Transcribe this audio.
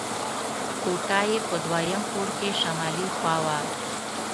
کوټه یې په دویم پوړ کې شمالي خوا وه.